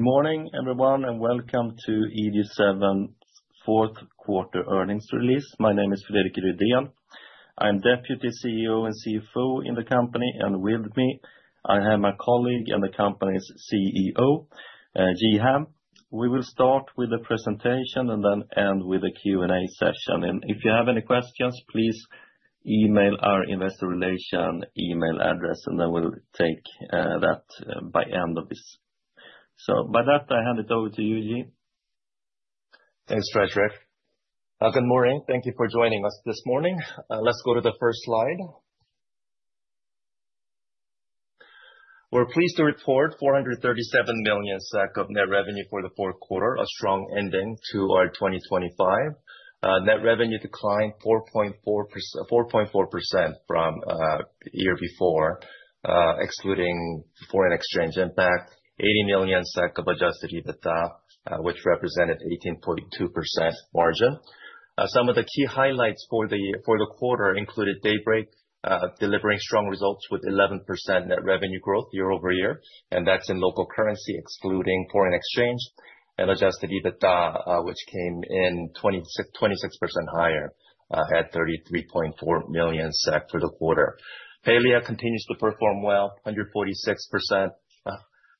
Good morning, everyone, welcome to EG7's fourth quarter earnings release. My name is Fredrik Rüdén. I'm Deputy CEO and CFO in the company, and with me, I have my colleague and the company's CEO, Ji Ham. We will start with the presentation and then end with a Q&A session. If you have any questions, please email our investor relation email address, and then we'll take that by end of this. With that, I hand it over to you, Ji. Thanks, Fredrik. Good morning. Thank you for joining us this morning. Let's go to the first slide. We're pleased to report 437 million of net revenue for the fourth quarter, a strong ending to our 2025. Net revenue declined 4.4% from the year before, excluding foreign exchange impact. 80 million of Adjusted EBITDA, which represented 18.2% margin. Some of the key highlights for the quarter included Daybreak delivering strong results with 11% net revenue growth year-over-year, and that's in local currency, excluding foreign exchange. Adjusted EBITDA, which came in 26% higher, at 33.4 million SEK for the quarter. Palia continues to perform well, 146%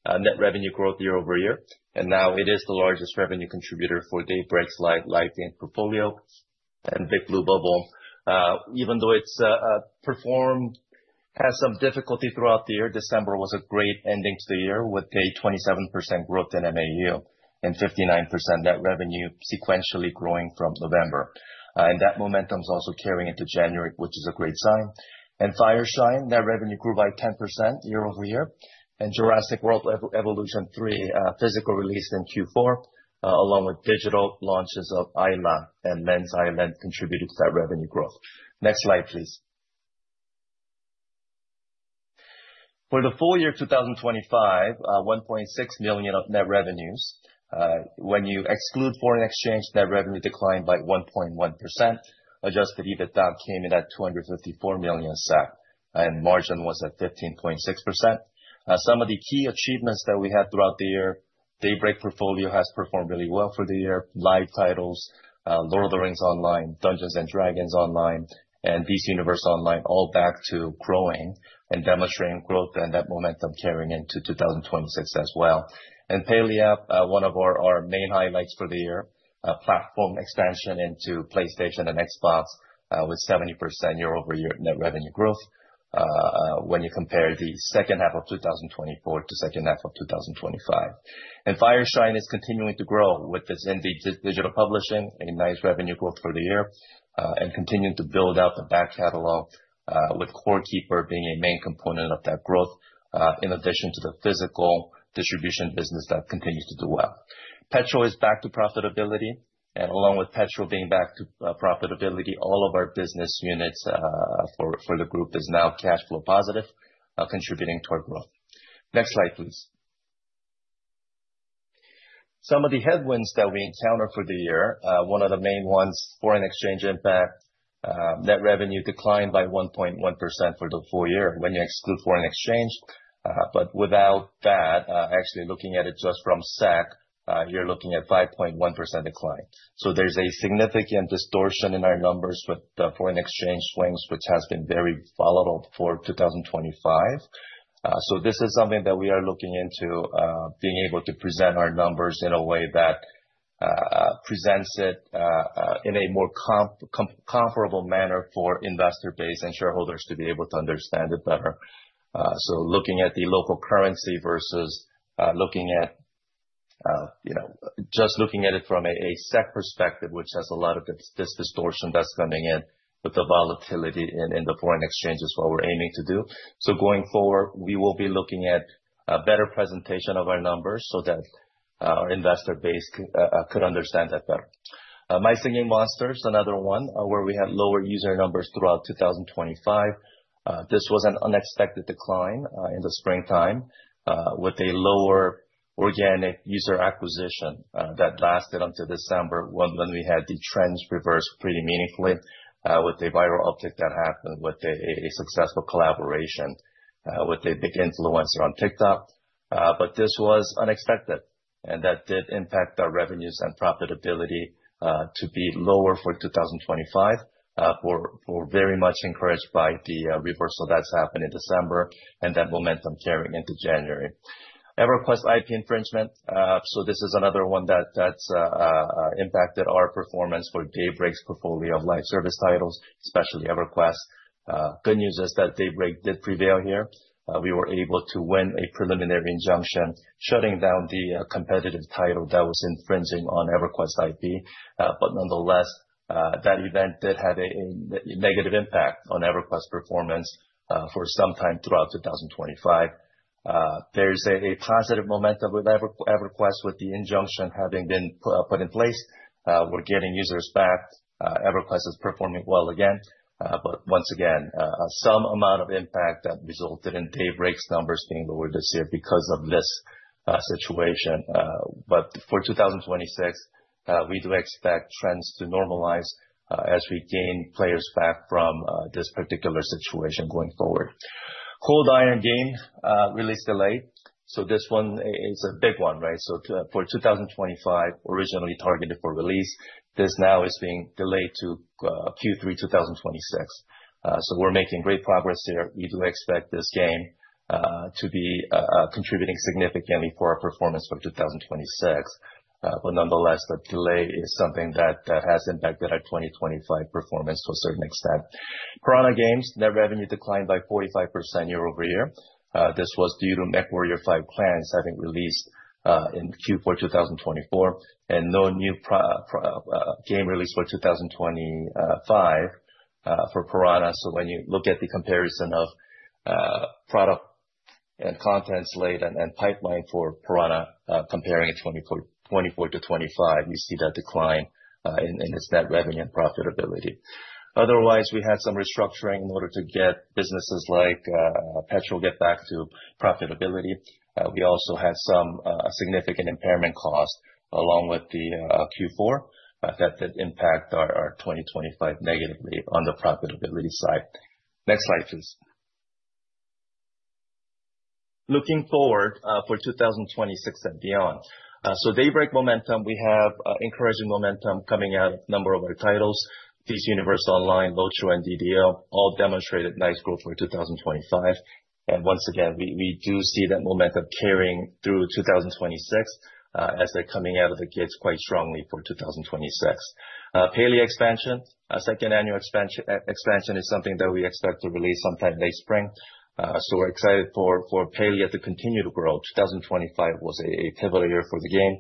net revenue growth year-over-year. Now it is the largest revenue contributor for Daybreak's live game portfolio. Big Blue Bubble, even though it's had some difficulty throughout the year, December was a great ending to the year, with a 27% growth in MAU and 59% net revenue sequentially growing from November. That momentum's also carrying into January, which is a great sign. Fireshine, net revenue grew by 10% year-over-year. Jurassic World, Evolution 3, physical release in Q4, along with digital launches of Alisa and Len's Island, contributed to that revenue growth. Next slide, please. For the full year of 2025, 1.6 million of net revenues. When you exclude foreign exchange, net revenue declined by 1.1%. Adjusted EBITDA came in at 254 million SEK, and margin was at 15.6%. Some of the key achievements that we had throughout the year, Daybreak portfolio has performed really well for the year. Live titles, Lord of the Rings Online, Dungeons & Dragons Online, and DC Universe Online, all back to growing and demonstrating growth, and that momentum carrying into 2026 as well. Palia, one of our main highlights for the year, platform expansion into PlayStation and Xbox, with 70% year-over-year net revenue growth, when you compare the second half of 2024 to second half of 2025. Fireshine is continuing to grow with this indie digital publishing. A nice revenue growth for the year, and continuing to build out the back catalog, with Core Keeper being a main component of that growth, in addition to the physical distribution business that continues to do well. PETROL is back to profitability, and along with PETROL being back to profitability, all of our business units for the group is now cash flow positive, contributing toward growth. Next slide, please. Some of the headwinds that we encountered for the year, one of the main ones, foreign exchange impact. Net revenue declined by 1.1% for the full year when you exclude foreign exchange. Without that, actually looking at it just from SEK, you're looking at 5.1% decline. There's a significant distortion in our numbers with the foreign exchange swings, which has been very volatile for 2025. This is something that we are looking into, being able to present our numbers in a way that presents it in a more comparable manner for investor base and shareholders to be able to understand it better. Looking at the local currency versus looking at, you know, just looking at it from a SEK perspective, which has a lot of distortion that's coming in with the volatility in the foreign exchange, is what we're aiming to do. Going forward, we will be looking at a better presentation of our numbers so that our investor base could understand that better. My Singing Monsters, another one, where we had lower user numbers throughout 2025. This was an unexpected decline in the springtime, with a lower organic user acquisition that lasted until December, when we had the trends reverse pretty meaningfully, with a viral uptick that happened with a successful collaboration with a big influencer on TikTok. This was unexpected, and that did impact our revenues and profitability to be lower for 2025. We're very much encouraged by the reversal that's happened in December and that momentum carrying into January. EverQuest IP infringement, this is another one that's impacted our performance for Daybreak's portfolio of live service titles, especially EverQuest. Good news is that Daybreak did prevail here. We were able to win a preliminary injunction, shutting down the competitive title that was infringing on EverQuest IP. Nonetheless, that event did have a negative impact on EverQuest performance for some time throughout 2025. There is a positive momentum with EverQuest, with the injunction having been put in place. We're getting users back. EverQuest is performing well again, once again, some amount of impact that resulted in Daybreak's numbers being lower this year because of this situation. For 2026, we do expect trends to normalize as we gain players back from this particular situation going forward. Cold Iron Game release delay. This one is a big one, right? For 2025, originally targeted for release, this now is being delayed to Q3 2026. We're making great progress here. We do expect this game to be contributing significantly for our performance for 2026. Nonetheless, the delay is something that has impacted our 2025 performance to a certain extent. Piranha Games net revenue declined by 45% year-over-year. This was due to MechWarrior 5: Clans having released in Q4 2024, and no new game release for 2025 for Piranha. When you look at the comparison of product and content slate and pipeline for Piranha, comparing in 2024 - 2025, you see that decline in its net revenue and profitability. Otherwise, we had some restructuring in order to get businesses like PETROL get back to profitability. We also had some significant impairment costs along with the Q4 that did impact our 2025 negatively on the profitability side. Next slide, please. Looking forward for 2026 and beyond. Daybreak momentum, we have encouraging momentum coming out of a number of our titles. DC Universe Online, LOTRO, and DDO all demonstrated nice growth for 2025. And once again, we do see that momentum carrying through 2026, as they're coming out of the gates quite strongly for 2026. Palia expansion. Our second annual expansion is something that we expect to release sometime late spring. So we're excited for Palia to continue to grow. 2025 was a pivotal year for the game.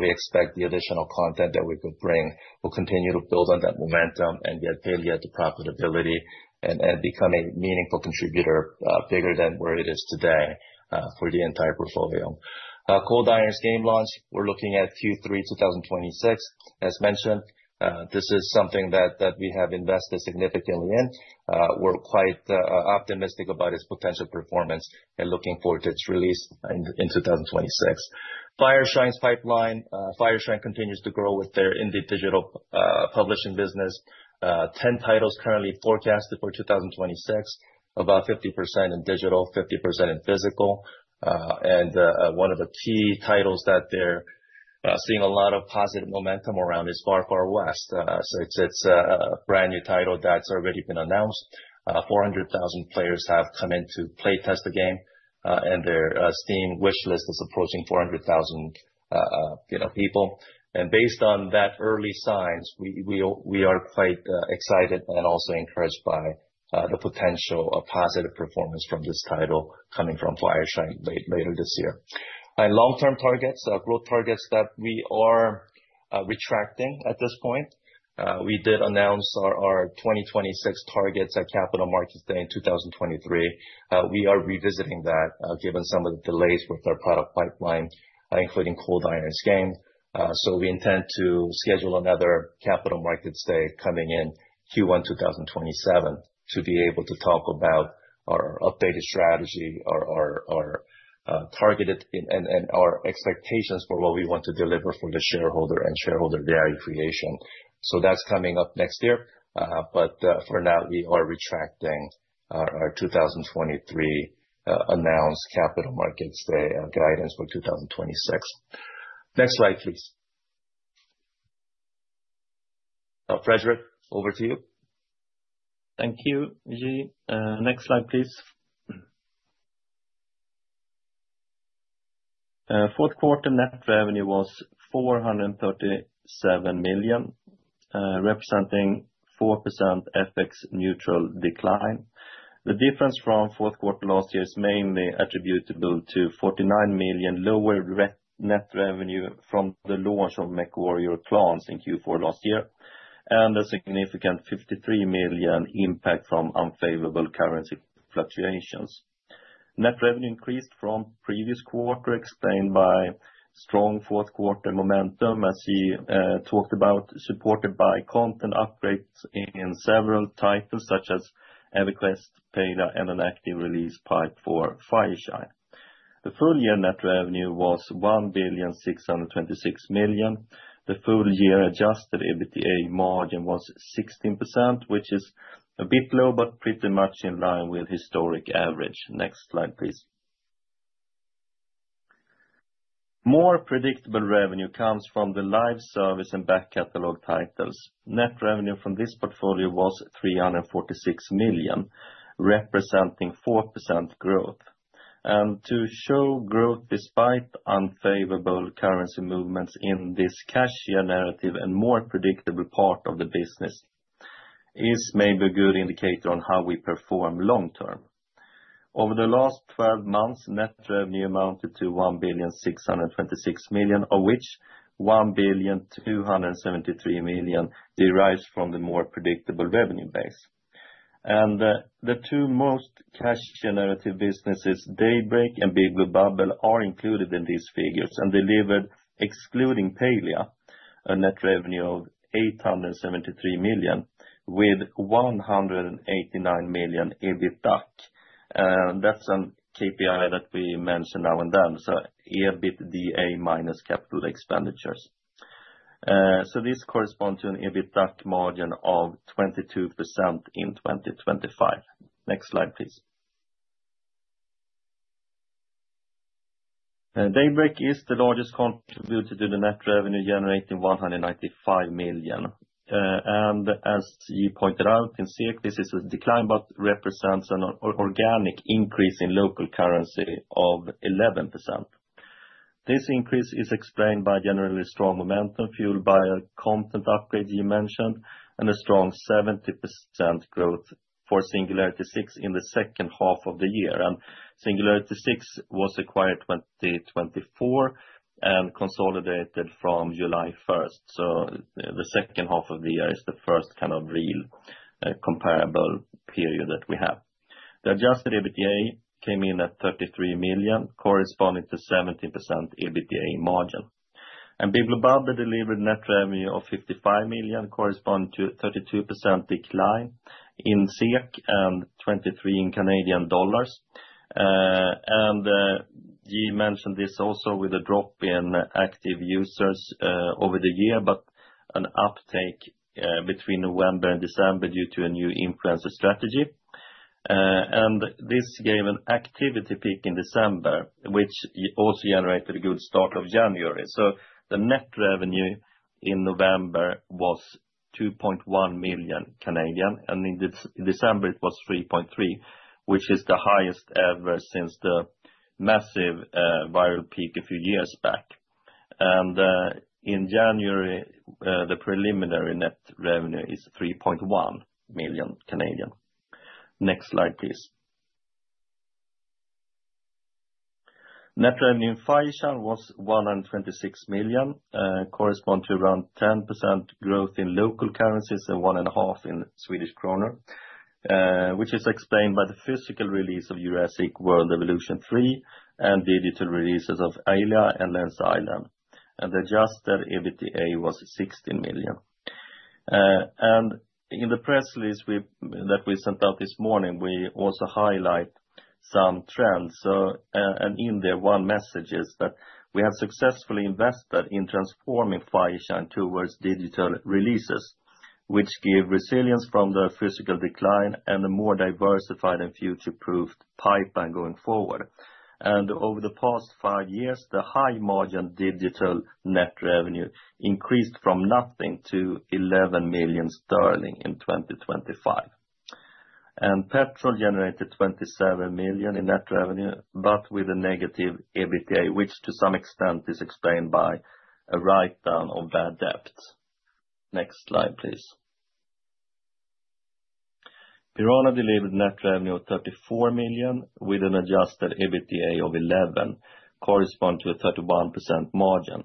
We expect the additional content that we could bring will continue to build on that momentum and get Palia to profitability and become a meaningful contributor bigger than where it is today for the entire portfolio. Cold Iron's game launch, we're looking at Q3 2026. This is something that we have invested significantly in. We're quite optimistic about its potential performance and looking forward to its release in 2026. Fireshine's pipeline. Fireshine continues to grow with their indie digital publishing business. 10 titles currently forecasted for 2026, about 50% in digital, 50% in physical. One of the key titles that they're seeing a lot of positive momentum around is Far Far West. It's a brand-new title that's already been announced. 400,000 players have come in to playtest the game, and their Steam wish list is approaching 400,000, you know, people. Based on that early signs, we are quite excited and also encouraged by the potential of positive performance from this title coming from Fireshine later this year. Long-term targets, growth targets that we are retracting at this point. We did announce our 2026 targets at Capital Markets Day in 2023. We are revisiting that given some of the delays with our product pipeline, including Cold Iron's game. We intend to schedule another Capital Markets Day coming in Q1 2027, to be able to talk about our updated strategy, our targeted and our expectations for what we want to deliver for the shareholder and shareholder value creation. That's coming up next year. For now, we are retracting our 2023 announced Capital Markets Day guidance for 2026. Next slide, please. Fredrik, over to you. Thank you, Ji. Next slide, please. Fourth quarter net revenue was 437 million, representing 4% FX-neutral decline. The difference from fourth quarter last year is mainly attributable to 49 million lower net revenue from the launch of MechWarrior Clans in Q4 last year, and a significant 53 million impact from unfavorable currency fluctuations. Net revenue increased from previous quarter, explained by strong fourth quarter momentum, as Ji talked about, supported by content upgrades in several titles, such as EverQuest, Palia, and an active release pipe for Fireshine. The full year net revenue was 1,626 million. The full year Adjusted EBITDA margin was 16%, which is a bit low, but pretty much in line with historic average. Next slide, please. More predictable revenue comes from the live service and back catalog titles. Net revenue from this portfolio was 346 million, representing 4% growth. To show growth despite unfavorable currency movements in this cash year narrative and more predictable part of the business, is maybe a good indicator on how we perform long term. Over the last 12 months, net revenue amounted to 1,626 million, of which 1,273 million derives from the more predictable revenue base. The two most cash generative businesses, Daybreak and Big Blue Bubble, are included in these figures, and delivered, excluding Palia, a net revenue of 873 million, with 189 million EBITDAC. That's an KPI that we mention now and then, so EBITDA minus capital expenditures. This corresponds to an EBITDAC margin of 22% in 2025. Next slide, please. Daybreak is the largest contributor to the net revenue, generating 195 million. As Ji pointed out, you can see this is a decline, but represents an organic increase in local currency of 11%. This increase is explained by generally strong momentum, fueled by a content upgrade, Ji mentioned, and a strong 70% growth for Singularity 6 in the second half of the year. Singularity 6 was acquired 2024 and consolidated from July 1st, so the second half of the year is the first kind of real comparable period that we have. The Adjusted EBITDA came in at 33 million, corresponding to 17% EBITDA margin. Big Blue Bubble delivered net revenue of 55 million, corresponding to a 32% decline in SEK, and 23% in CAD. Ji mentioned this also with a drop in active users over the year, but an uptake between November and December due to a new influencer strategy. This gave an activity peak in December, which also generated a good start of January. The net revenue in November was 2.1 million, and in December, it was 3.3 million, which is the highest ever since the massive viral peak a few years back. In January, the preliminary net revenue is 3.1 million. Next slide, please. Net revenue in Fireshine was 126 million, correspond to around 10% growth in local currencies, and 1.5% in Swedish kroner, which is explained by the physical release of Jurassic World Evolution 3, and digital releases of Alisa and Len's Island. The Adjusted EBITDA was 16 million. In the press release we sent out this morning, we also highlight some trends. In there, one message is that we have successfully invested in transforming Fireshine towards digital releases, which give resilience from the physical decline and a more diversified and future-proofed pipeline going forward. Over the past 5 years, the high margin digital net revenue increased from nothing to 11 million sterling in 2025. PETROL generated 27 million in net revenue, but with a negative EBITA, which to some extent is explained by a write-down of bad debts. Next slide, please. Piranha delivered net revenue of 34 million, with an adjusted EBITA of 11, correspond to a 31% margin.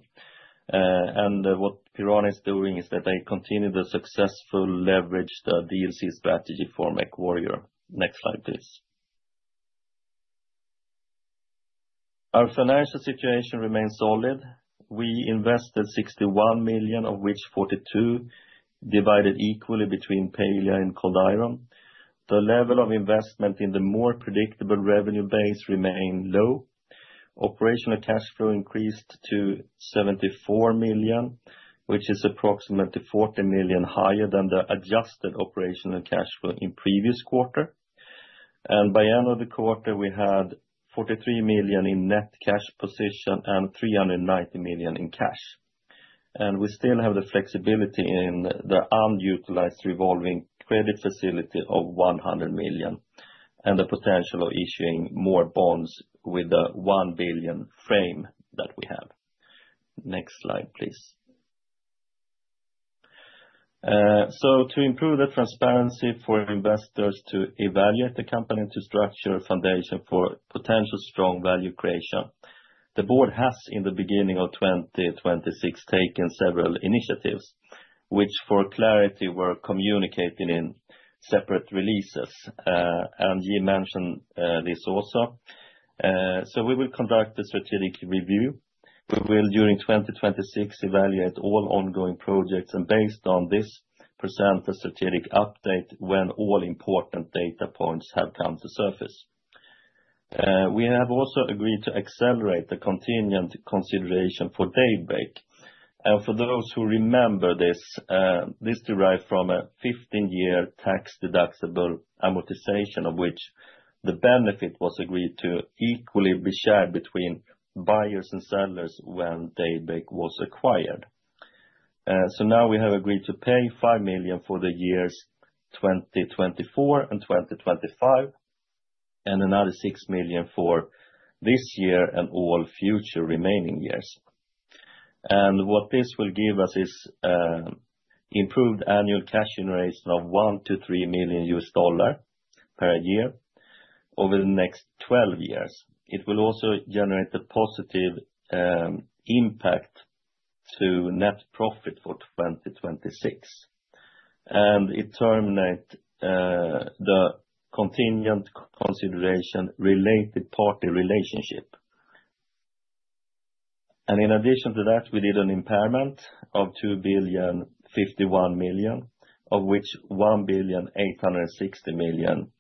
What Piranha is doing is that they continue to successfully leverage the DLC strategy for MechWarrior. Next slide, please. Our financial situation remains solid. We invested 61 million, of which 42 divided equally between Palia and Cold Iron. The level of investment in the more predictable revenue base remained low. Operational cash flow increased to 74 million, which is approximately 40 million higher than the adjusted operational cash flow in previous quarter. By end of the quarter, we had 43 million in net cash position and 390 million SEK in cash. We still have the flexibility in the unutilized revolving credit facility of 100 million, and the potential of issuing more bonds with the 1 billion frame that we have. Next slide, please. To improve the transparency for investors to evaluate the company, to structure a foundation for potential strong value creation, the board has, in the beginning of 2026, taken several initiatives, which, for clarity, were communicated in separate releases. Ji mentioned this also. We will conduct a strategic review. We will, during 2026, evaluate all ongoing projects, and based on this, present a strategic update when all important data points have come to surface. We have also agreed to accelerate the contingent consideration for Daybreak. For those who remember this derived from a 15-year tax-deductible amortization, of which the benefit was agreed to equally be shared between buyers and sellers when Daybreak was acquired. Now we have agreed to pay $5 million for the years 2024 and 2025, and another $6 million for this year and all future remaining years. What this will give us is improved annual cash generation of $1 million-$3 million USD per year over the next 12 years. It will also generate a positive impact to net profit for 2026, and it terminate the contingent consideration related party relationship. In addition to that, we did an impairment of 2 billion 51 million, of which 1 billion 860 million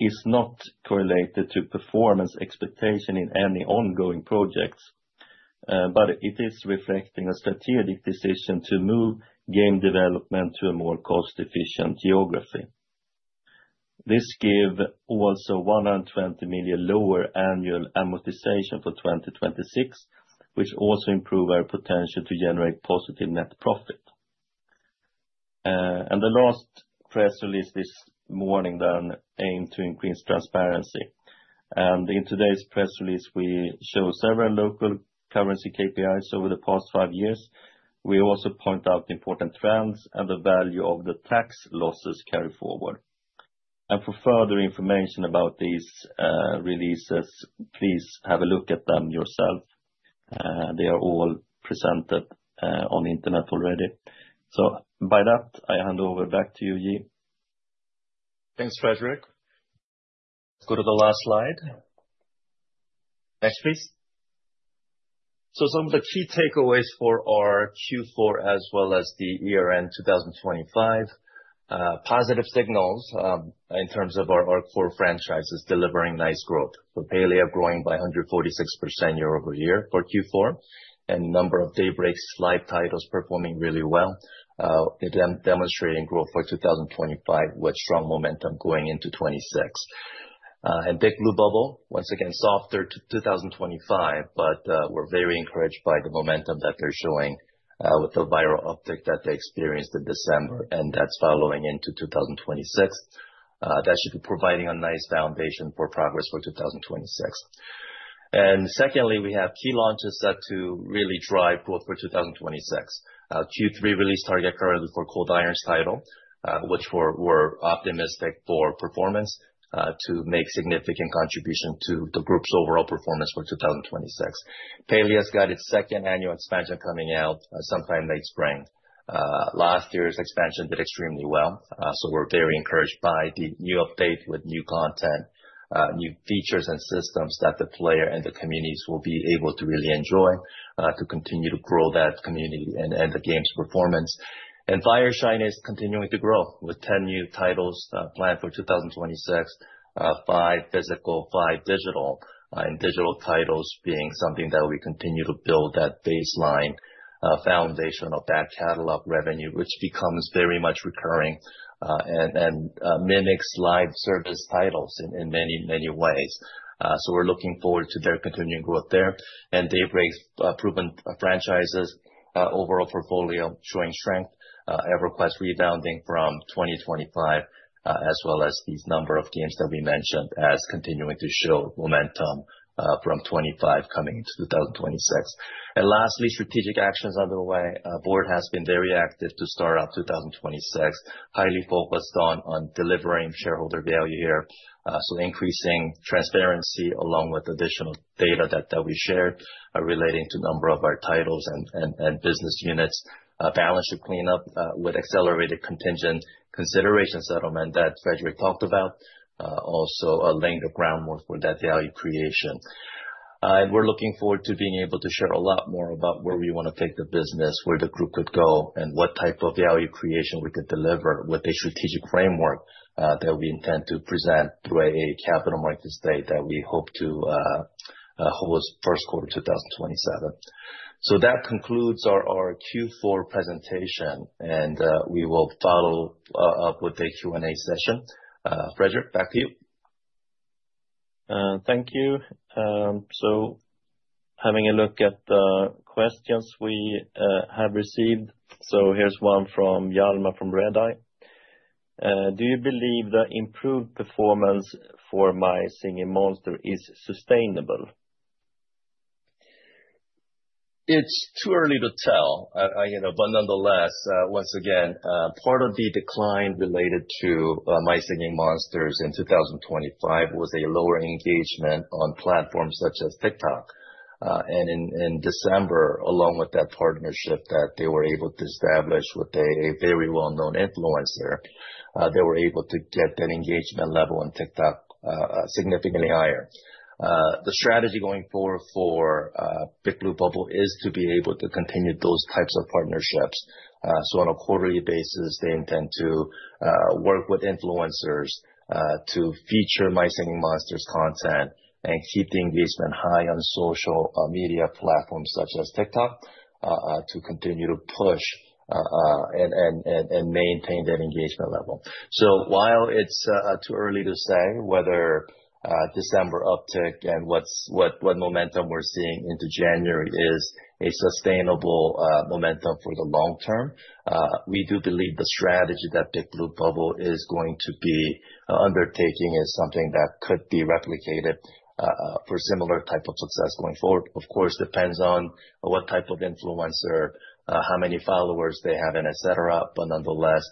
is not correlated to performance expectation in any ongoing projects, but it is reflecting a strategic decision to move game development to a more cost-efficient geography. This give also 120 million lower annual amortization for 2026, which also improve our potential to generate positive net profit. The last press release this morning aimed to increase transparency. In today's press release, we show several local currency KPIs over the past five years. We also point out important trends and the value of the tax loss carryforward. For further information about these releases, please have a look at them yourself. They are all presented on the internet already. By that, I hand over back to you, Ji.... Thanks, Fredrik. Go to the last slide. Next, please. Some of the key takeaways for our Q4 as well as the year-end 2025, positive signals in terms of our core franchises delivering nice growth. Palia growing by 146% year-over-year for Q4, and number of Daybreak's live titles performing really well, demonstrating growth for 2025, with strong momentum going into 2026. Big Blue Bubble, once again, softer to 2025, but we're very encouraged by the momentum that they're showing with the viral uptick that they experienced in December, and that's following into 2026. That should be providing a nice foundation for progress for 2026. Secondly, we have key launches set to really drive growth for 2026. Q3 release target currently for Cold Iron's title, which we're optimistic for performance, to make significant contribution to the group's overall performance for 2026. Palia's got its second annual expansion coming out sometime late spring. Last year's expansion did extremely well, so we're very encouraged by the new update with new content, new features and systems that the player and the communities will be able to really enjoy, to continue to grow that community and the game's performance. Fireshine is continuing to grow with 10 new titles planned for 2026, five physical, five digital, and digital titles being something that we continue to build that baseline foundation of that catalog revenue, which becomes very much recurring and mimics live service titles in many, many ways. We're looking forward to their continuing growth there. Daybreak's proven franchises overall portfolio showing strength, EverQuest rebounding from 2025, as well as these number of games that we mentioned as continuing to show momentum from 2025 coming into 2026. Lastly, strategic actions underway. Our board has been very active to start out 2026, highly focused on delivering shareholder value here. Increasing transparency, along with additional data that we shared, relating to number of our titles and business units. Balance sheet clean up, with accelerated contingent consideration settlement that Fredrik talked about, also laying the groundwork for that value creation. We're looking forward to being able to share a lot more about where we wanna take the business, where the group could go, and what type of value creation we could deliver with a strategic framework that we intend to present through a Capital Markets Day that we hope to host first quarter 2027. That concludes our Q4 presentation. We will follow up with a Q&A session. Fredrik, back to you. Thank you. Having a look at the questions we have received, here's one from Hjalmar from Redeye. Do you believe the improved performance for My Singing Monsters is sustainable? It's too early to tell, you know. Nonetheless, once again, part of the decline related to My Singing Monsters in 2025 was a lower engagement on platforms such as TikTok. In December, along with that partnership, that they were able to establish with a very well-known influencer, they were able to get that engagement level on TikTok significantly higher. The strategy going forward for Big Blue Bubble is to be able to continue those types of partnerships. On a quarterly basis, they intend to work with influencers to feature My Singing Monsters content and keep the engagement high on social media platforms such as TikTok to continue to push and maintain that engagement level. While it's too early to say whether December uptick and what momentum we're seeing into January is a sustainable momentum for the long term, we do believe the strategy that Big Blue Bubble is going to be undertaking is something that could be replicated for similar type of success going forward. Of course, depends on what type of influencer, how many followers they have, and et cetera. Nonetheless,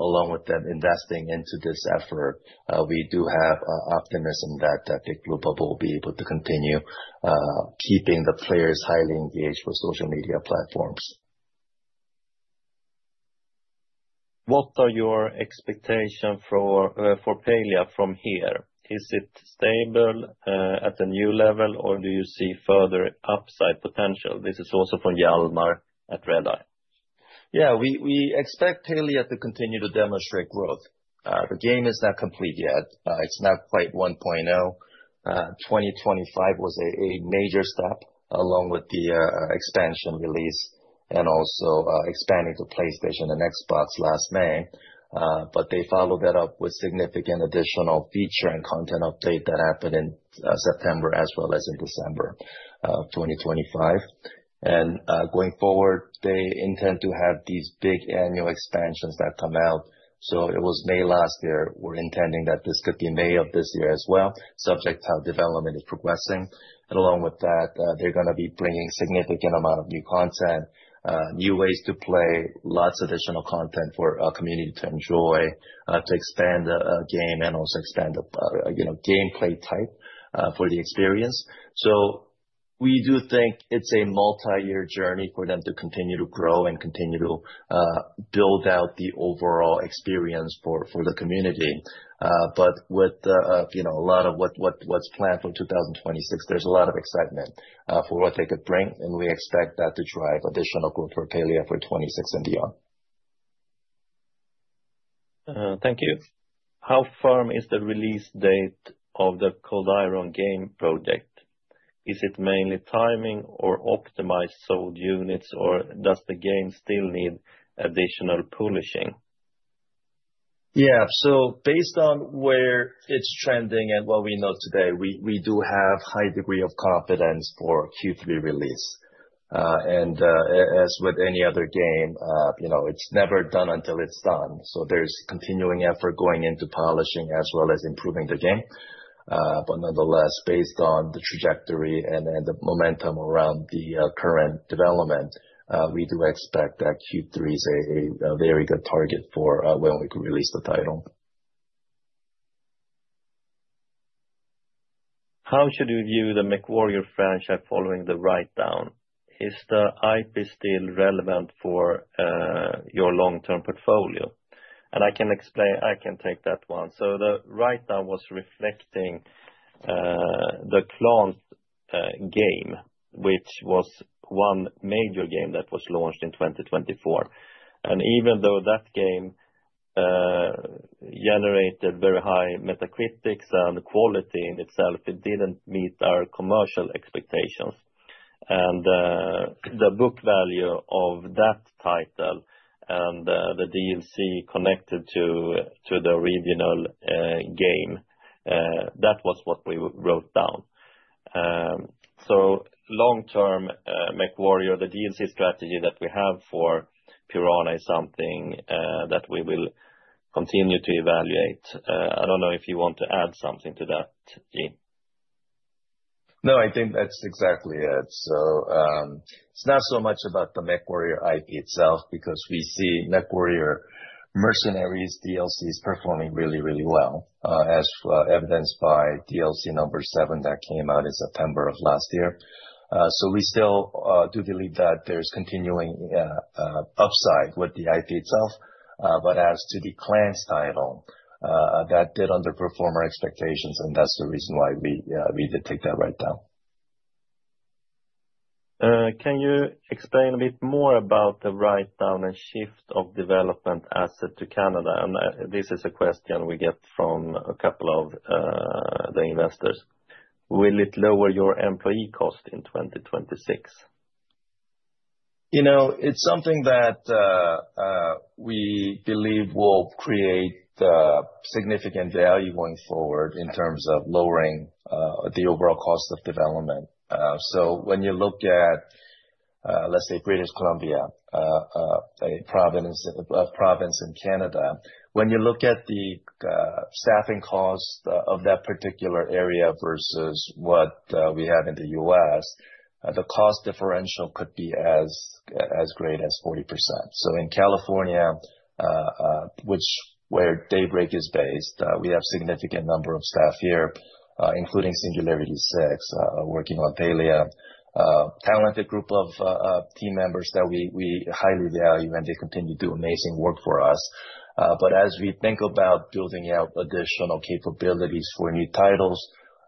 along with them investing into this effort, we do have optimism that Big Blue Bubble will be able to continue keeping the players highly engaged with social media platforms. What are your expectations for Palia from here? Is it stable at a new level, or do you see further upside potential? This is also from Hjalmar at Redeye. Yeah, we expect Palia to continue to demonstrate growth. The game is not complete yet. It's not quite 1.0. 2025 was a major step, along with the expansion release and also expanding to PlayStation and Xbox last May. They followed that up with significant additional feature and content update that happened in September, as well as in December of 2025. Going forward, they intend to have these big annual expansions that come out. It was May last year. We're intending that this could be May of this year as well, subject to how development is progressing. Along with that, they're going to be bringing significant amount of new content, new ways to play, lots of additional content for our community to enjoy, to expand the game and also expand the, you know, gameplay type for the experience. We do think it's a multi-year journey for them to continue to grow and continue to build out the overall experience for the community. But with the, you know, a lot of what's planned for 2026, there's a lot of excitement for what they could bring, and we expect that to drive additional growth for Palia for 2026 and beyond. Thank you. How firm is the release date of the Cold Iron game project? Is it mainly timing or optimized sold units, or does the game still need additional polishing? Based on where it's trending and what we know today, we do have high degree of confidence for Q3 release. As with any other game, you know, it's never done until it's done, so there's continuing effort going into polishing as well as improving the game. Nonetheless, based on the trajectory and the momentum around the current development, we do expect that Q3 is a very good target for when we can release the title. How should you view the MechWarrior franchise following the writedown? Is the IP still relevant for your long-term portfolio? I can take that one. The writedown was reflecting the Clans game, which was one major game that was launched in 2024. Even though that game generated very high Metacritic and quality in itself, it didn't meet our commercial expectations. The book value of that title and the DLC connected to the original game, that was what we wrote down. long term, MechWarrior, the DLC strategy that we have for Piranha is something that we will continue to evaluate. I don't know if you want to add something to that, Ji. No, I think that's exactly it. It's not so much about the MechWarrior IP itself, because we see MechWarrior Mercenaries DLCs performing really, really well, as evidenced by DLC number seven that came out in September of last year. We still do believe that there's continuing upside with the IP itself. As to the Clans title, that did underperform our expectations, and that's the reason why we did take that writedown. Can you explain a bit more about the writedown and shift of development asset to Canada? This is a question we get from a couple of the investors. Will it lower your employee cost in 2026? You know, it's something that we believe will create significant value going forward in terms of lowering the overall cost of development. When you look at, let's say, British Columbia, a province in Canada, when you look at the staffing costs of that particular area versus what we have in the U.S., the cost differential could be as great as 40%. In California, which, where Daybreak is based, we have significant number of staff here, including Singularity 6, working on Palia, talented group of team members that we highly value, and they continue to do amazing work for us. Uh, but as we think about building out additional capabilities for new titles,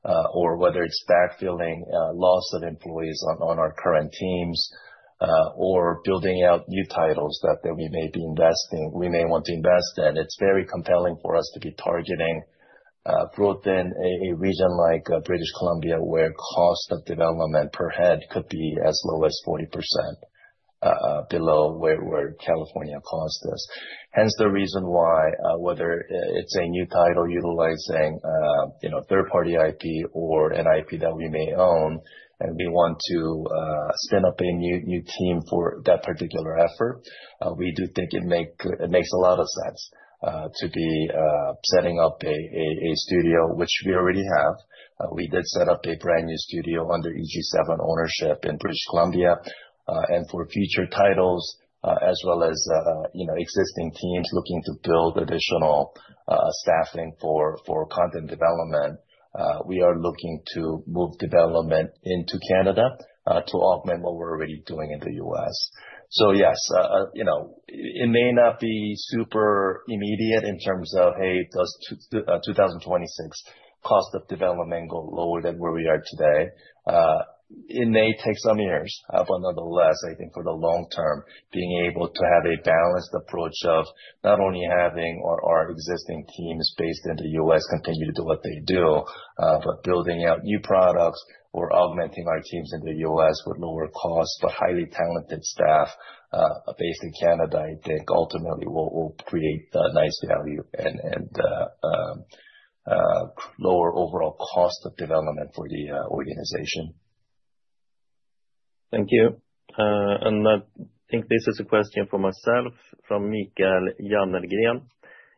uh, or whether it's backfilling, uh, loss of employees on, on our current teams, uh, or building out new titles that, that we may be investing-- we may want to invest in, it's very compelling for us to be targeting, uh, growth in a, a region like, uh, British Columbia, where cost of development per head could be as low as forty percent, uh, uh, below where, where California cost is. Hence, the reason why, uh, whether, uh, it's a new title utilizing, uh, you know, third-party IP or an IP that we may own, and we want to, uh, set up a new, new team for that particular effort, uh, we do think it make- it makes a lot of sense, uh, to be, uh, setting up a, a, a studio, which we already have. We did set up a brand new studio under EG7 ownership in British Columbia. For future titles, as well as, you know, existing teams looking to build additional staffing for content development, we are looking to move development into Canada to augment what we're already doing in the U.S. Yes, you know, it may not be super immediate in terms of, hey, does 2026 cost of development go lower than where we are today? It may take some years, but nonetheless, I think for the long term, being able to have our existing teams based in the U.S. continue to do what they do, but building out new products or augmenting our teams in the U.S. with lower costs, but highly talented staff, based in Canada, I think ultimately will create nice value and lower overall cost of development for the organization. Thank you. I think this is a question for myself from Mikael Jönnergren.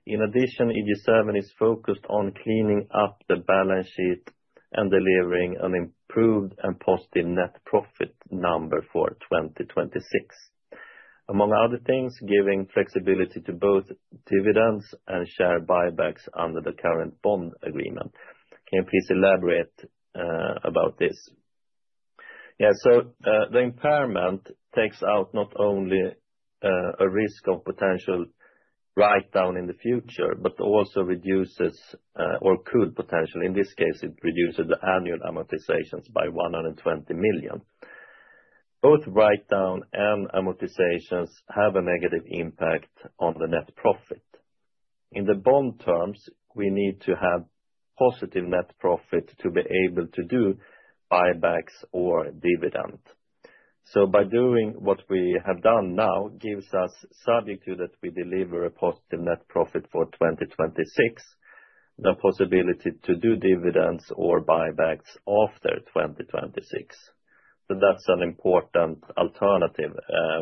In addition, EG7 is focused on cleaning up the balance sheet and delivering an improved and positive net profit number for 2026. Among other things, giving flexibility to both dividends and share buybacks under the current bond agreement. Can you please elaborate about this? The impairment takes out not only a risk of potential write-down in the future, but also reduces, or could potentially, in this case, it reduces the annual amortizations by 120 million. Both write-down and amortizations have a negative impact on the net profit. In the bond terms, we need to have positive net profit to be able to do buybacks or dividend. By doing what we have done now, gives us, subject to that, we deliver a positive net profit for 2026, the possibility to do dividends or buybacks after 2026. That's an important alternative,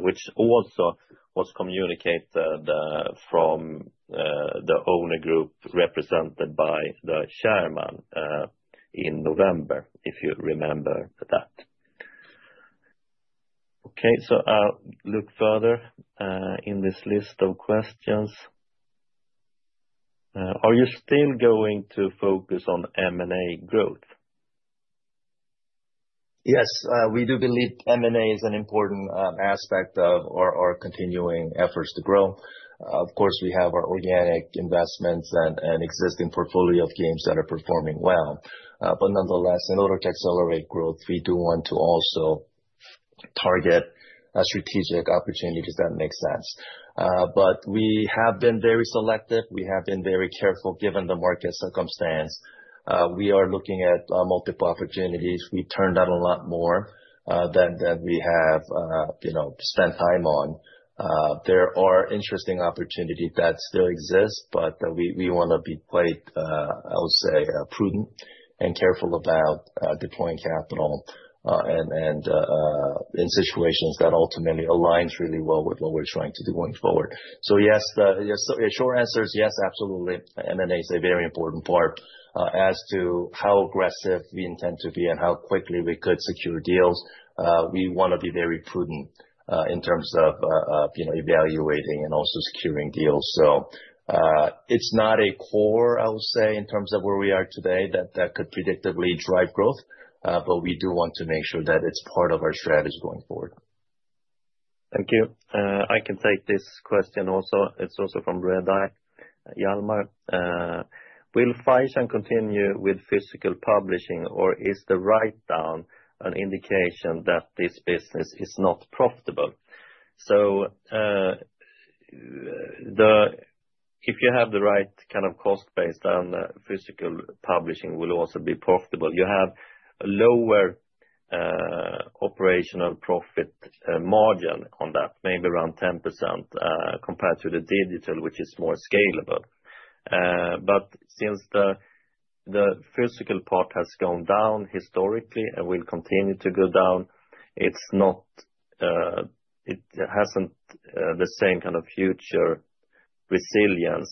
which also was communicated from the owner group, represented by the chairman, in November, if you remember that. I'll look further in this list of questions. Are you still going to focus on M&A growth? We do believe M&A is an important aspect of our continuing efforts to grow. We have our organic investments and existing portfolio of games that are performing well. In order to accelerate growth, we do want to also target a strategic opportunity, because that makes sense. We have been very selective, we have been very careful, given the market circumstance. We are looking at multiple opportunities. We turned down a lot more than we have, you know, spent time on. There are interesting opportunity that still exist, we wanna be quite, I would say, prudent and careful about deploying capital and in situations that ultimately aligns really well with what we're trying to do going forward. Yes, the short answer is yes, absolutely. M&A is a very important part. As to how aggressive we intend to be and how quickly we could secure deals, we wanna be very prudent in terms of, you know, evaluating and also securing deals. It's not a core, I would say, in terms of where we are today, that that could predictably drive growth, but we do want to make sure that it's part of our strategy going forward. Thank you. I can take this question also. It's also from Redeye. Hjalmar, will Fireshine continue with physical publishing, or is the write-down an indication that this business is not profitable? If you have the right kind of cost base, then the physical publishing will also be profitable. You have a lower operational profit margin on that, maybe around 10%, compared to the digital, which is more scalable. Since the physical part has gone down historically, and will continue to go down, it's not, it hasn't the same kind of future resilience,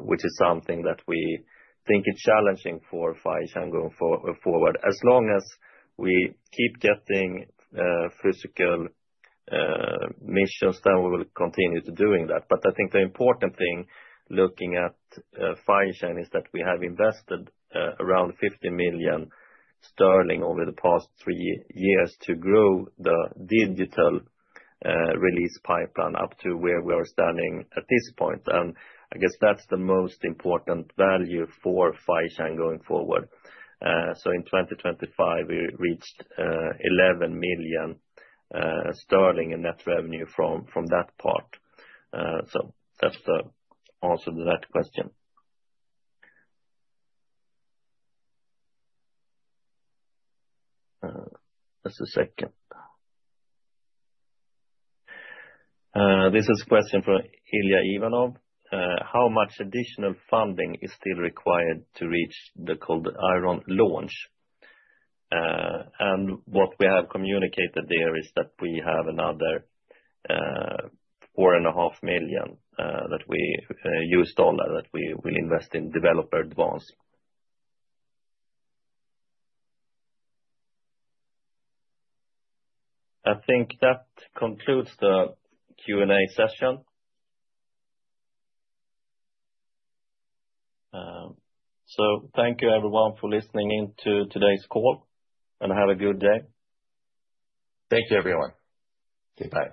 which is something that we think is challenging for Fireshine going forward. As long as we keep getting physical missions, then we will continue to doing that. I think the important thing, looking at Fireshine, is that we have invested around 50 million sterling over the past 3 years to grow the digital release pipeline up to where we are standing at this point. I guess that's the most important value for Faisan going forward. In 2025, we reached 11 million sterling in net revenue from that part. That's the answer to that question. Just a second. This is a question from Ilya Ivanov. How much additional funding is still required to reach the Cold Iron launch? What we have communicated there is that we have another four and a half million USD that we invest in developer advance. I think that concludes the Q&A session. Thank you, everyone, for listening in to today's call, and have a good day. Thank you, everyone. Goodbye.